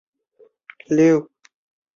罗德里格斯茜草目前被列为极危物种。